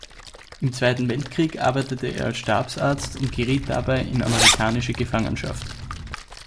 Im Zweiten Weltkrieg arbeitete er als Stabsarzt und geriet dabei in amerikanische Gefangenschaft.